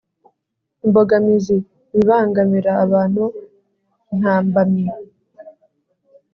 imbogamizi: ibibangamira abantu, intambamyi.